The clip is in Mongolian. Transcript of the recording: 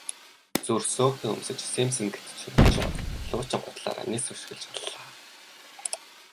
Зүр сөөхий өмсөж сэм сэм гэтэж очоод луучин гутлаараа няц өшиглөж аллаа.